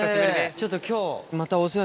ちょっと今日。